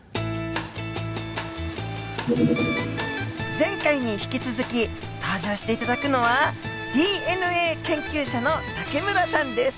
前回に引き続き登場して頂くのはＤＮＡ研究者の武村さんです。